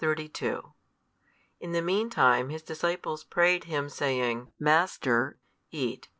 31, 32 In the mean time His disciples prayed Him, saying Master, eat.